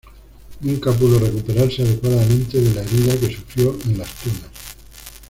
Nunca pudo recuperarse adecuadamente de la herida que sufrió en Las Tunas.